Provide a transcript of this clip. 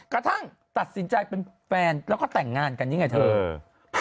กระทั่งตัดสินใจเป็นแฟนแล้วก็แต่งงานกันนี่ไงเธอ